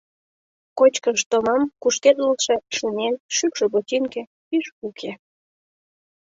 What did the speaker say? Кочкыш томам, кушкедлылше шинель, шӱкшӧ ботинке, пиж уке.